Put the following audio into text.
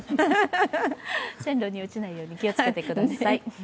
線路に落ちないように気をつけてください。